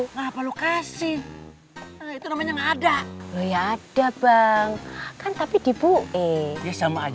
ngapa lu kasih itu namanya enggak ada ya ada bang kan tapi dibuik sama aja